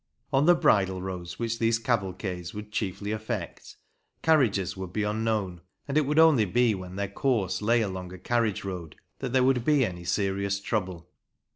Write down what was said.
On the bridle roads which these cavalcades would chiefly affect, carriages would be unknown, and it would only be when their course lay along a carriage road that there would be any serious trouble.